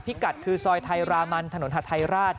พิกัดคือซอยไทรามันถนนฮธายราช